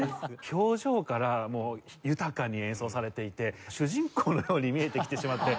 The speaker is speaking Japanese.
表情から豊かに演奏されていて主人公のように見えてきてしまって。